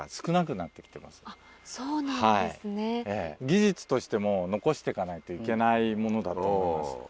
技術としても残して行かないといけないものだと思います。